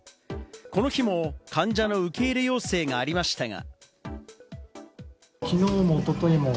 この日も患者の受け入れ要請がありましたが。